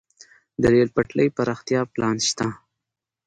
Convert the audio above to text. د ریل پټلۍ پراختیا پلان شته